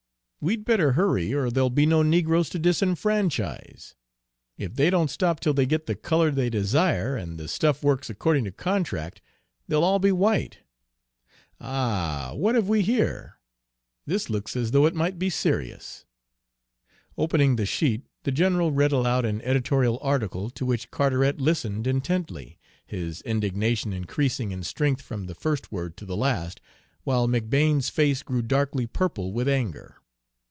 We'd better hurry, or there'll be no negroes to disfranchise! If they don't stop till they get the color they desire, and the stuff works according to contract, they'll all be white. Ah! what have we here? This looks as though it might be serious." Opening the sheet the general read aloud an editorial article, to which Carteret listened intently, his indignation increasing in strength from the first word to the last, while McBane's face grew darkly purple with anger.